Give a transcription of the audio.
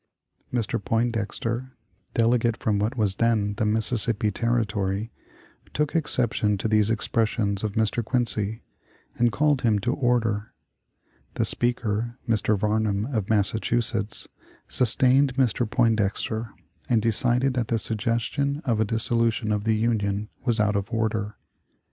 Mr. Poindexter, delegate from what was then the Mississippi Territory, took exception to these expressions of Mr. Quincy, and called him to order. The Speaker (Mr. Varnum, of Massachusetts) sustained Mr. Poindexter, and decided that the suggestion of a dissolution of the Union was out of order.